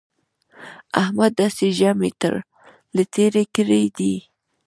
احمد داسې ژامې تر له تېرې کړې دي